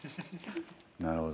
なるほど。